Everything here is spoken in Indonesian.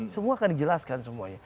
semua akan dijelaskan semuanya